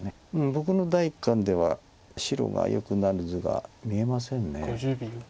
僕の第一感では白がよくなる図が見えません。